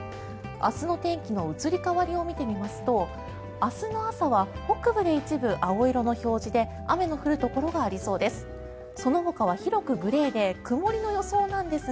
明日の天気の移り変わりを見てみますと明日の朝は北部で一部青色の表示で雨の降るところがありそうです。